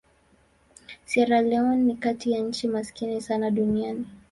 Sierra Leone ni kati ya nchi maskini sana duniani.